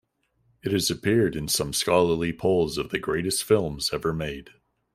It has appeared in some scholarly polls of the greatest films ever made.